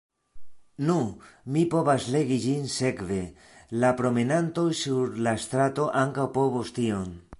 Nu, mi povas legi ĝin, sekve: la promenantoj sur la strato ankaŭ povos tion.